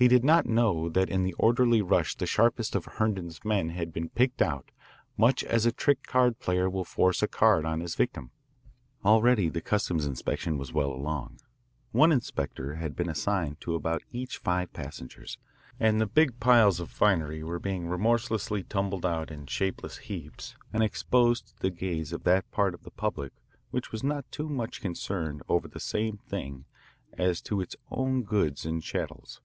He did not know that in the orderly rush the sharpest of Herndon's men had been picked out, much as a trick card player will force a card on his victim. Already the customs inspection was well along. One inspector had been assigned to about each five passengers, and big piles of finery were being remorselessly tumbled out in shapeless heaps and exposed to the gaze of that part of the public which was not too much concerned over the same thing as to its own goods and chattels.